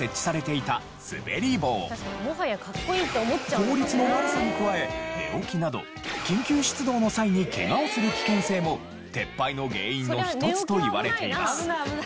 効率の悪さに加え寝起きなど緊急出動の際にケガをする危険性も撤廃の原因の一つといわれています。